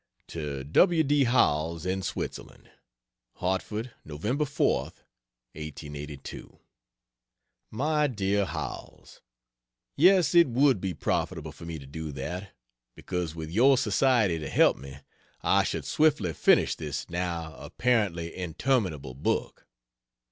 To W. D. Howells, in Switzerland: HARTFORD, Nov. 4th, 1882. MY DEAR HOWELLS, Yes, it would be profitable for me to do that, because with your society to help me, I should swiftly finish this now apparently interminable book.